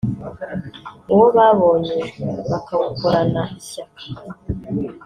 uwo babonye bakawukorana ishyaka